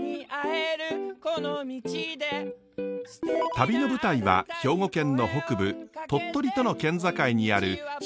旅の舞台は兵庫県の北部鳥取との県境にある新温泉町。